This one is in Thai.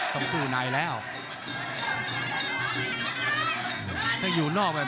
โหโหโหโหโหโหโห